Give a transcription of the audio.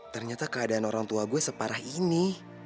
ternyata keadaan orang tua gue separah ini